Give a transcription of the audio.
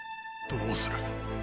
どうする。